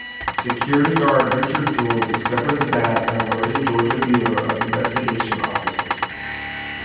Security guard Richard Jewell discovered the bag and alerted Georgia Bureau of Investigation officers.